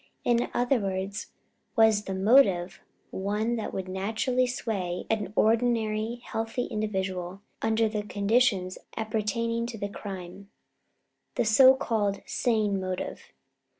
In other words, was the motive one that would naturally sway an ordinary healthy individual under the conditions appertaining to the crime the so called sane motive?